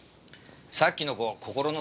さっきの子心の